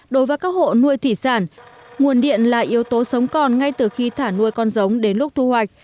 đối với các hộ nuôi thủy sản nguồn điện là yếu tố sống còn ngay từ khi thả nuôi con giống đến lúc thu hoạch